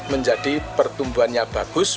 menjadi pertumbuhannya bagus